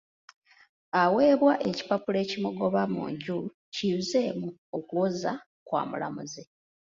Aweebwa ekipapula ekimugoba mu nju kiyuzeemu okuwoza kwa mulamuzi.